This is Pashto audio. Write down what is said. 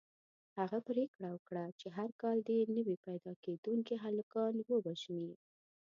هغه پرېکړه وکړه چې هر کال دې نوي پیدا کېدونکي هلکان ووژني.